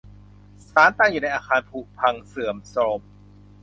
ศาลตั้งอยู่ในอาคารผุพังเสื่อมโทรม